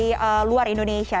dikembangkan dari luar indonesia